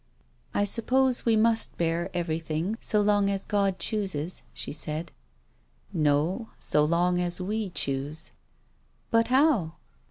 " I suppose we must bear everything so long as God chooses," she said. " No, so long as we choose." "But how?"